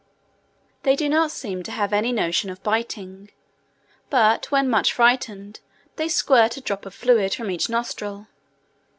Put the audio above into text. They do not seem to have any notion of biting; but when much frightened they squirt a drop of fluid from each nostril.